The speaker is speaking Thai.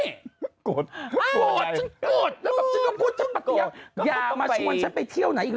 โกรธโกรธฉันโกรธแล้วแบบฉันก็พูดฉันปะเตี๊ยงอย่ามาชวนฉันไปเที่ยวไหนอีก